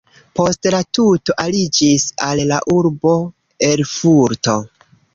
Poste la tuto aliĝis al la urbo Erfurto.